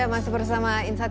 masih bersama insight